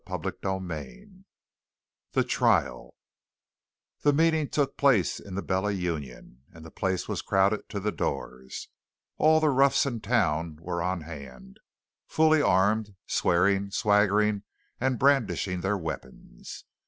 CHAPTER XXXV THE TRIAL The meeting took place in the Bella Union, and the place was crowded to the doors. All the roughs in town were on hand, fully armed, swearing, swaggering, and brandishing their weapons.